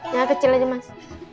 jangan kecil aja mas